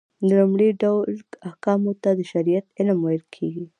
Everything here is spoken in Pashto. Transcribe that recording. د لومړي ډول احکامو ته د شريعت علم ويل کېږي .